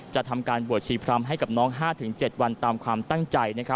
จะทำการบวชชีพรำให้กับน้อง๕๗วันตามความตั้งใจ